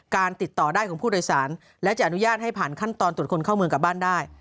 การติดต่อได้ของผู้โดยสารและจะอนุญาตให้ผ่านขั้นตอนตรวจคนเข้าเมืองกลับบ้านได้